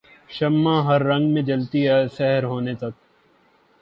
شمع ہر رنگ میں جلتی ہے سحر ہوتے تک